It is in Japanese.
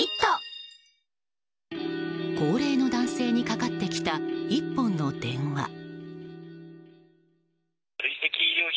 高齢の男性にかかってきた１本の電話。